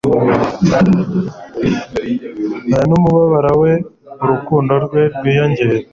oya numubabaro we urukundo rwe rwiyongere